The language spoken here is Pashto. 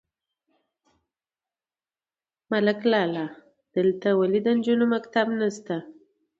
_ملک لالا! دلته ولې د نجونو مکتب نشته؟